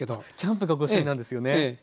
あキャンプがご趣味なんですよね。